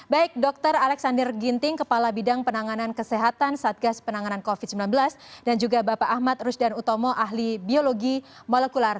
baik dr alexander ginting kepala bidang penanganan kesehatan satgas penanganan covid sembilan belas dan juga bapak ahmad rusdan utomo ahli biologi molekular